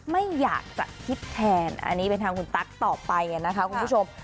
ไม่อยากจะคิดแทนอันนี้เป็นทางคุณตั๊กต่อไปนะคะคุณผู้ชม